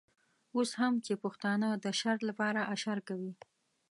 اوس هم چې پښتانه د شر لپاره اشر کوي.